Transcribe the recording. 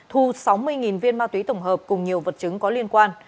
hình viên ma túy tổng hợp cùng nhiều vật chứng có liên quan